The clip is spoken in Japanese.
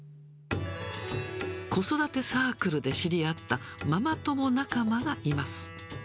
子育てサークルで知り合ったママ友仲間がいます。